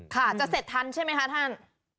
ค่ะจะเสร็จทันใช่ไหมคะท่าน